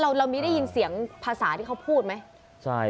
เรามีได้ยินเสียงภาษาที่เขาพูดไหม